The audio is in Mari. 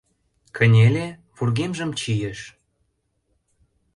Кынеле, вургемжым чийыш.